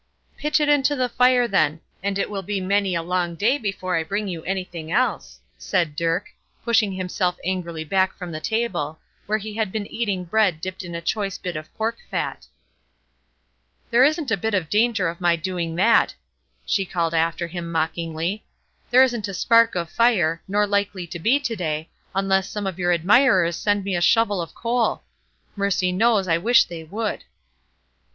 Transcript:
"Pitch it into the fire, then; and it will be many a long day before I bring you anything else," said Dirk, pushing himself angrily back from the table, where he had been eating bread dipped in a choice bit of pork fat. "There isn't a bit of danger of my doing that," she called after him, mockingly. "There isn't a spark of fire, nor likely to be to day, unless some of your admirers send me a shovel of coal. Mercy knows, I wish they would."